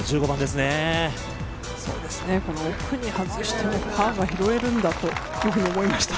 奥に外してもパーが拾えるんだと思いました。